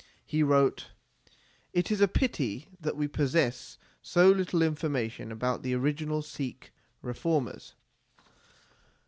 He wrote : It is a pity that we possess so little information about the original Sikh reformers.